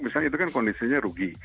misalnya itu kan kondisinya rugi